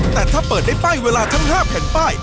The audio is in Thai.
แต่ถ้าเปิดได้ป้ายเวลาทั้ง๕แผ่นป้าย